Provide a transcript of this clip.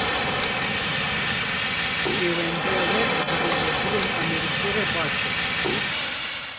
Pêwendiya we bi birêvebirên Amerîkî re baş e